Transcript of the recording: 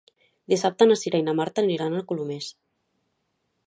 Dissabte na Cira i na Marta aniran a Colomers.